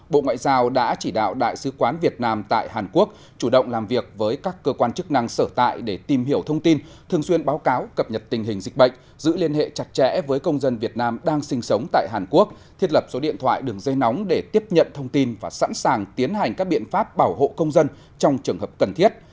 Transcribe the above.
bộ ngoại giao đã chỉ đạo đại sứ quán việt nam tại hàn quốc chủ động làm việc với các cơ quan chức năng sở tại để tìm hiểu thông tin thường xuyên báo cáo cập nhật tình hình dịch bệnh giữ liên hệ chặt chẽ với công dân việt nam đang sinh sống tại hàn quốc thiết lập số điện thoại đường dây nóng để tiếp nhận thông tin và sẵn sàng tiến hành các biện pháp bảo hộ công dân trong trường hợp cần thiết